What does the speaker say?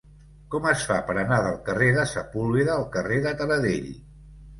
Com es fa per anar del carrer de Sepúlveda al carrer de Taradell?